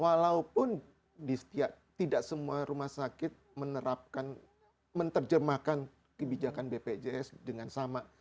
walaupun di setiap tidak semua rumah sakit menerapkan menerjemahkan kebijakan bpjs dengan sama